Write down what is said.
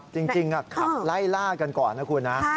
จริงขับไล่ล่ากันก่อนนะคุณนะ